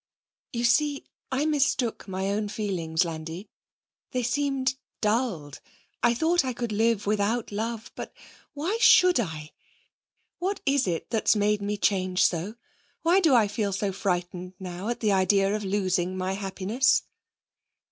You see, I mistook my own feelings, Landi; they seemed dulled. I thought I could live without love but why should I? What is it that's made me change so? Why do I feel so frightened now at the idea of losing my happiness?'